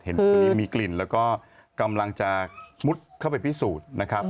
พอดีมีกลิ่นแล้วก็กำลังจะมุดเข้าไปพิสูจน์นะครับ